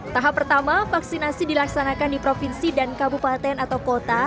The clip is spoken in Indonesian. tahap pertama vaksinasi dilaksanakan di provinsi dan kabupaten atau kota